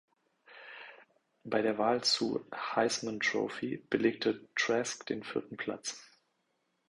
Bei der Wahl zu Heisman Trophy belegte Trask den vierten Platz.